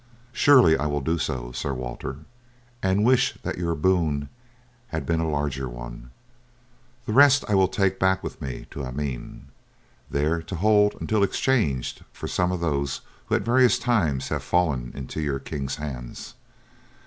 "Surely I will do so, Sir Walter, and wish that your boon had been a larger one. The rest I will take back with me to Amiens, there to hold until exchanged for some of those who at various times have fallen into your king's hands.